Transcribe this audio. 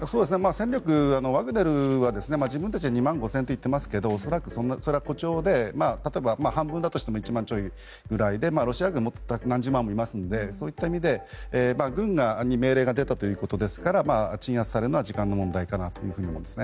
戦力もワグネルは自分たちは２万５０００人と言っていますが恐らく、誇張で半分だとしても１万ちょいぐらいでロシア軍はもっと何十万もいますのでそういった意味で軍に命令が出たということですから鎮圧されるのは時間の問題かなと思います。